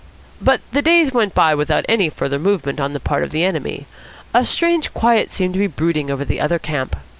But the days went by without any further movement on the part of the enemy. A strange quiet seemed to be brooding over the other camp.